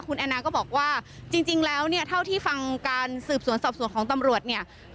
คุณแอนนาก็บอกว่าจริงแล้วเนี่ยเท่าที่ฟังการสืบสวนสอบสวนของตำรวจเนี่ย